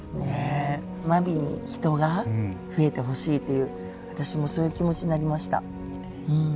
真備に人が増えてほしいという私もそういう気持ちになりました。